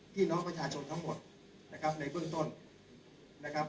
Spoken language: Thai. พี่น้องประชาชนทั้งหมดนะครับในเบื้องต้นนะครับ